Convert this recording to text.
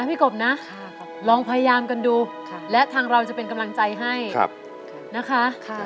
กบนะลองพยายามกันดูและทางเราจะเป็นกำลังใจให้นะคะ